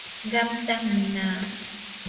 qamtam munaa.